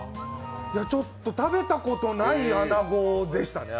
ちょっと食べたことない穴子でしたね。